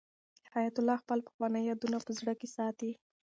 حیات الله خپل پخواني یادونه په زړه کې ساتي.